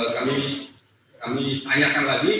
kami tanyakan lagi